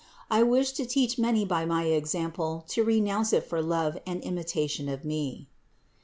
I wish to teach many by my example to renounce it for love and imitation of Me."